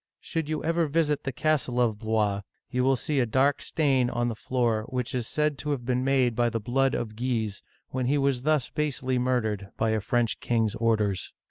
" Should you ever visit the castle of Blois, you will see a dark stain on the floor, uigiTizea Dy vjiOOQlC 278 OLD FRANCE which is said to have been made by the blood of Guise, when he was thus basely murdered by a French king's orders.